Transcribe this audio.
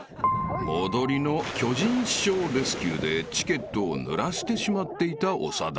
［戻りの巨人師匠レスキューでチケットをぬらしてしまっていた長田］